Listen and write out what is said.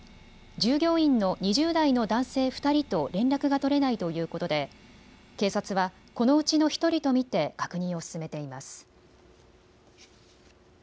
従業員の２０代の男性２人と連絡が取れないということで警察はこのうちの１人と見て確認を進めています。